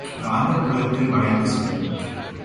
காந்தப்புலத்தில் வளைந்து செல்லும்.